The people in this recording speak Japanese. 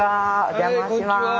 お邪魔します。